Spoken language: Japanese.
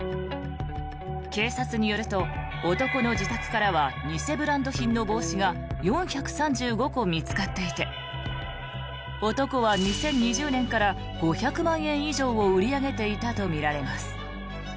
警察によると、男の自宅からは偽ブランド品の帽子が４３５個見つかっていて男は２０２０年から５００万円以上を売り上げていたとみられます。